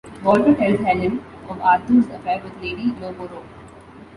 Walter tells Helen of Arthur's affair with Lady Lowborough.